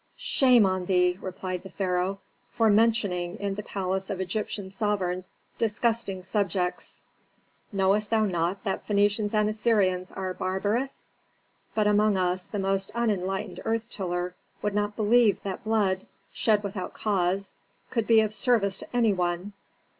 "Shame on thee!" replied the pharaoh, "for mentioning in the palace of Egyptian sovereigns disgusting subjects. Knowest thou not that Phœnicians and Assyrians are barbarous? But among us the most unenlightened earth tiller would not believe that blood, shed without cause, could be of service to any one."